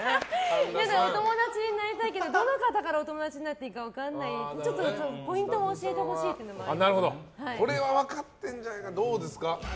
お友達になりたいけどどの方からお友達になっていいか分からないからポイントも教えてほしいこれは分かってるんじゃないか。